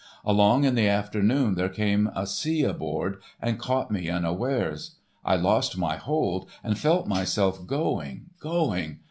Along in the afternoon there came a sea aboard, and caught me unawares. I lost my hold and felt myself going, going....